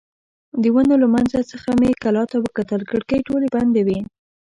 د ونو له منځ څخه مې کلا ته وکتل، کړکۍ ټولې بندې وې.